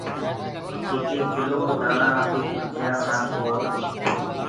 ايڪ ايڪ ڪلو دآڻآ آپوئي کرجيآنٚ مي نآکو اور